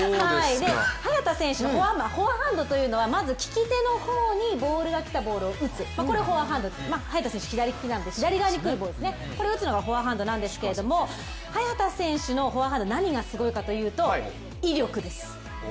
早田選手のフォアハンドというのはまず利き手の方に来たボールを打つ、これフォアハンド、早田選手、左利きなんで左側にくるボールですね、これを打つのがフォアハンドなんですが、早田選手のフォアハンド何がすごいかというと威力です。